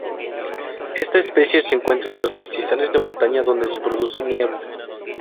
Esta especie se encuentra en los pastizales de montaña, donde se producen nieblas.